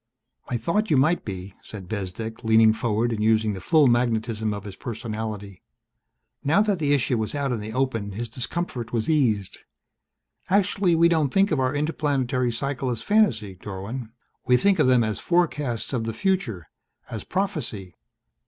"I thought you might be," said Bezdek, leaning forward and using the full magnetism of his personality. Now that the issue was out in the open his discomfort was eased. "Actually we don't think of our interplanetary cycle as fantasy, Dorwin. We think of them as forecasts of the future, as prophecy."